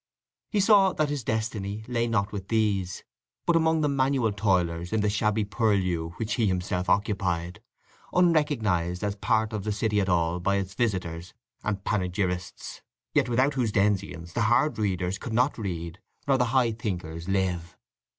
He saw that his destiny lay not with these, but among the manual toilers in the shabby purlieu which he himself occupied, unrecognized as part of the city at all by its visitors and panegyrists, yet without whose denizens the hard readers could not read nor the high thinkers live.